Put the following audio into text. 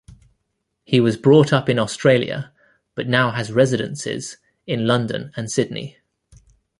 He was brought up in Australia, but now has residences in London and Sydney.